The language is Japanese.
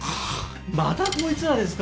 またこいつらですか？